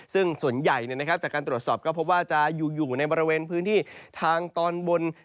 ซึ่งส่วนใหญ่จากการตรวจสอบก็พบว่าจะอยู่ในบริเวณพื้นที่ทางตอนบน